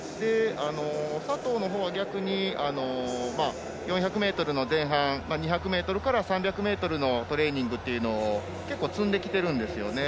佐藤のほうは逆に４００ｍの前半２００ｍから３００ｍのトレーニングというのを結構、積んできてるんですよね。